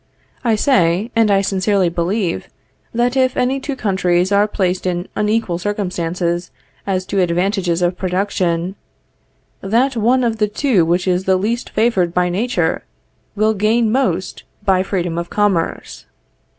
I say, and I sincerely believe, that if any two countries are placed in unequal circumstances as to advantages of production, that one of the two which is the least favored by nature, will gain most by freedom of commerce.